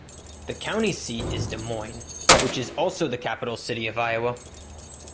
The county seat is Des Moines, which is also the capital city of Iowa.